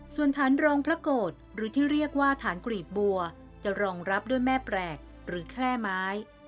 ส่วนฐานรองพระโกรธหรือที่เรียกว่าฐานกรีบบัวจะรองรับด้วยแม่แปลกหรือแคล่ไม้